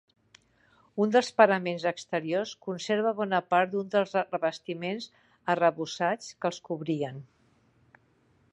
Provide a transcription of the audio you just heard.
Un dels paraments exteriors conserva bona part d'un dels revestiments arrebossats que els cobrien.